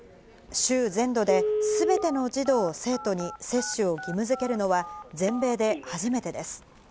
州全土ですべての児童・生徒に接種を義務づけるのは、全米で初めてです。